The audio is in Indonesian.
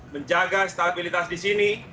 menjaga stabilitas di sini